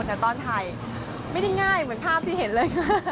แต่ต้อนไทยไม่ได้ง่ายเหมือนภาพที่เห็นเลย